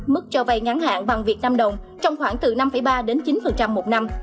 mức cho vay ngắn hạn bằng việt nam đồng trong khoảng từ năm ba đến chín một năm